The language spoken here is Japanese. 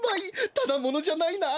ただものじゃないなあ。